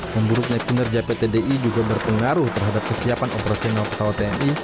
pemburu penyekuner jpt di juga berpengaruh terhadap kesiapan operasional pesawat tni